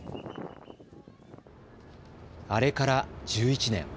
あれから１１年。